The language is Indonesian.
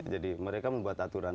jadi mereka membuat aturan